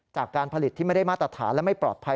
จากการผลิตที่ไม่ได้มาตรฐานและไม่ปลอดภัย